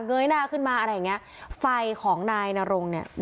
เย้หน้าขึ้นมาอะไรอย่างเงี้ยไฟของนายนรงเนี่ย